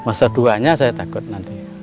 masa duanya saya takut nanti